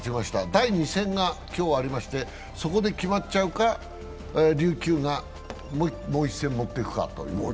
第２戦が今日ありまして、そこで決まっちゃうか、琉球がもう一戦もっていくかという。